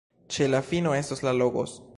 Ĉe la fino estos la Logos!